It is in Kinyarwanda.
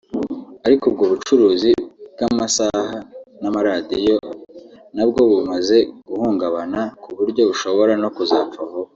Ariko ubwo bucuruzi bw’amasaha n’amaradiyo nabwo bumaze guhungabana ku buryo bushobora no kuzapfa vuba